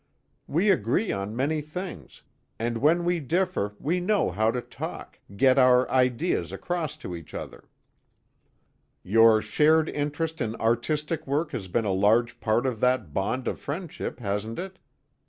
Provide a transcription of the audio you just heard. We agree on many things, and when we differ we know how to talk, get our ideas across to each other." "Your shared interest in artistic work has been a large part of that bond of friendship, hasn't it?"